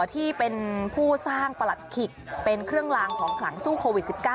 ที่เป็นผู้สร้างประหลัดขิกเป็นเครื่องลางของขลังสู้โควิด๑๙